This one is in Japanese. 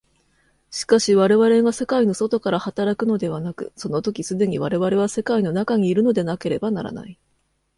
しかし我々が世界の外から働くのではなく、その時既に我々は世界の中にいるのでなければならない。